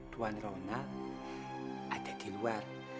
tuan ronald ada di luar